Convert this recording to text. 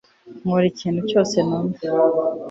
nkora ikintu cyose numva